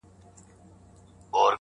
• دوی به دواړه وي سپاره اولس به خر وي -